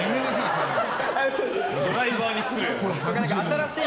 ドライバーに失礼だから。